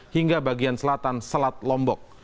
hingga bagian selatan selat lombok